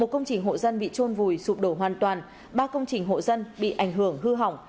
một công trình hộ dân bị trôn vùi sụp đổ hoàn toàn ba công trình hộ dân bị ảnh hưởng hư hỏng